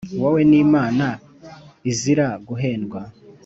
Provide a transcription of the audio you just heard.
wowe n'imana izira guhendwa